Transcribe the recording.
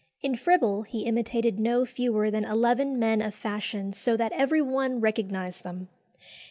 In Fribble he imitated no fewer than eleven men of fashion so that every one recognised them.